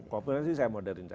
kooperasi saya modern